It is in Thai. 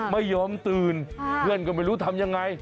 ไม่ยอมตื่นเพื่อนก็ไม่รู้ทำยังไง